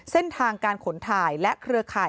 เส้นทางการขนถ่ายและเครือข่าย